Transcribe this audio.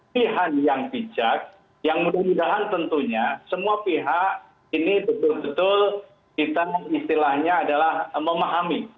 pilihan yang bijak yang mudah mudahan tentunya semua pihak ini betul betul kita istilahnya adalah memahami